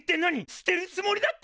捨てるつもりだったの！？